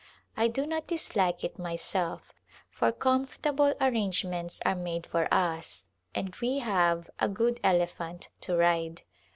I do not dislike it myself, for comfortable arrangements are made for us and we have a good elephant to ride.